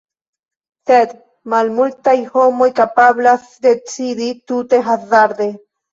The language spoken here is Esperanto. Sed malmultaj homoj kapablas decidi tute hazarde.